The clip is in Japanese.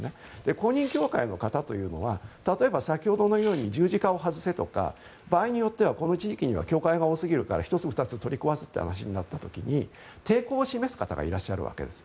公認教会の方というのは例えば、先ほどのように十字架を外せとか場合によってはこの地域には教会が多すぎるから１つ、２つ取り壊すという話になった時に抵抗を示す方がいらっしゃるわけです。